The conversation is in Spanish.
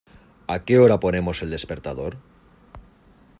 ¿A qué hora ponemos el despertador?